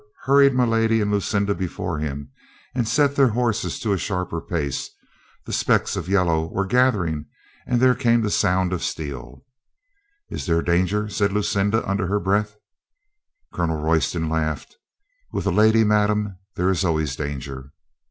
hurried my lady and Lucinda before him, and set their horses to a sharper pace, the specks of yellow were gathering, and there came the sound of steel. "Is there danger?" said Lucinda under her breath. COLONEL ROYSTON DESERTS A LADY 99 Colonel Royston laughed. "With a lady, madame, there is always danger."